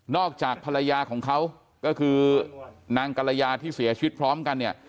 จากภรรยาของเขาก็คือนางกรยาที่เสียชีวิตพร้อมกันเนี่ย